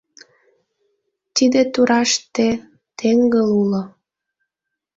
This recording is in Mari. Тиде тураште теҥгыл уло.